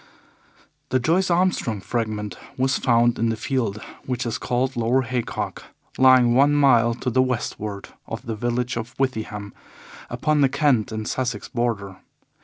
The Joyce Armstrong Fragment was found in the field which is called Lower Haycock, lying one mile to the westward of the village of Withyham, upon the Kent and Sussex border.